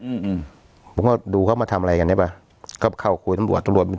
อืมผมก็ดูเขามาทำอะไรกันได้ป่ะก็เข้าคุยตำรวจตำรวจ